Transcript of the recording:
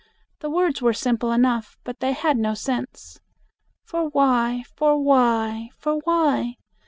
The words were simple enough, but they had no sense: "For why? For why? For why?